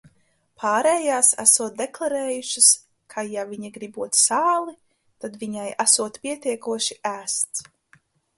Pārējās esot deklarējušas, ka, ja viņa gribot sāli, tad viņai esot pietiekoši ēsts.